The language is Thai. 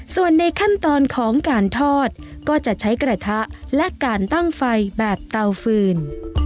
ส่วนในขั้นตอนของการทอดก็จะใช้กระทะและการตั้งไฟแบบเตาฟืน